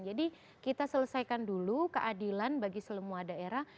jadi kita selesaikan dulu keadilan bagi semua daerah